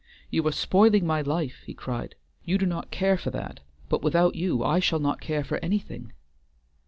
"You are spoiling my life," he cried. "You do not care for that, but without you I shall not care for anything."